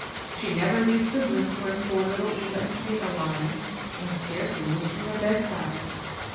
She never leaves the room where poor little Eva and Kate are lying, and scarcely moves from their bedside.